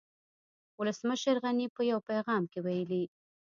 ولسمشر غني په يو پيغام کې ويلي